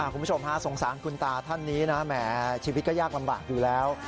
คุณผู้ชมฮะสงสารคุณตาท่านนี้นะแหมชีวิตก็ยากลำบากอยู่แล้ว